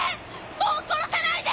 もう殺さないで！